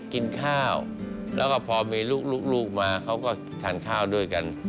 กินข้าวแล้วก็พอมีลูกมาเขาก็ทานข้าวด้วยกัน